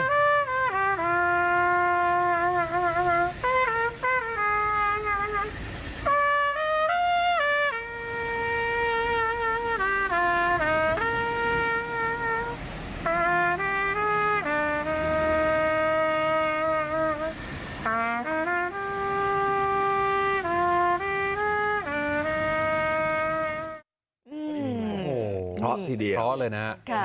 โอ้โฮทีเดียวท้อเลยนะครับ